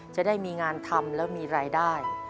จะได้มีงานทำแล้วมีรายได้